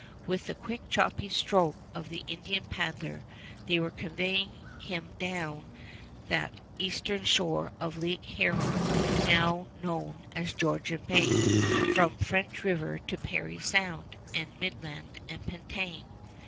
With the quick choppy stroke of the Indian paddler they were conveying him down that eastern shore of Lake Huron now known as Georgian Bay, from French River to Parry Sound and Midland and Penetang.